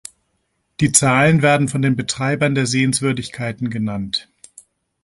Die Zahlen werden von den Betreibern der Sehenswürdigkeiten genannt.